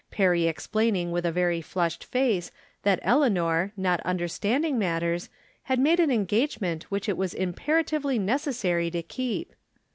Perry explaining with a very flushed face that Eleanor, not understanding matters, had made an engage ment which it was imperatively necessary to keep.